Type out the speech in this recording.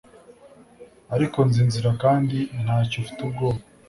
ariko nzi inzira kandi ntacyo ufite ubwoba